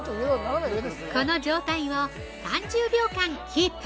◆この状態を３０秒間キープ！